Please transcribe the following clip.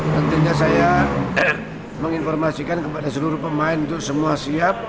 tentunya saya menginformasikan kepada seluruh pemain untuk semua siap